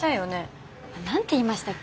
何て言いましたっけ